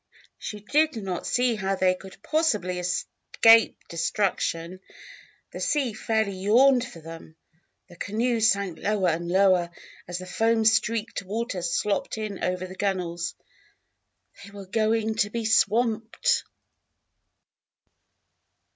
She did not see how they could possibly escape destruction. The sea fairly yawned for them. The canoe sank lower and lower as the foam streaked water slopped in over the gunnels. _They were going to be swamped!